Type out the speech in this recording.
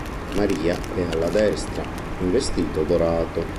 Maria è alla destra, in vestito dorato.